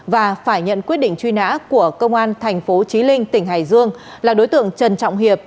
và phải nhận quyết định truy nã của công an thành phố trí linh tỉnh hải dương là đối tượng trần trọng hiệp